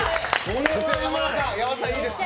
山田さん、いいですね！